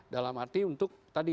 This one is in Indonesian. dalam arti untuk tadi